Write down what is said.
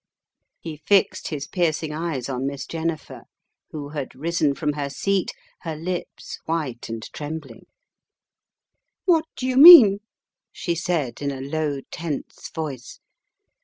He fixed his piercing eyes on Miss Jennifer, who had risen from her seat, her lips white and trembling. "What do you mean?" she said in a low, tense voice.